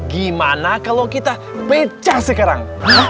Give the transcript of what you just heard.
gimana kalau kita pecah sekarang